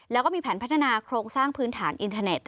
แล้วก็มีแผนพัฒนาโครงสร้างพื้นฐานอินเทอร์เน็ต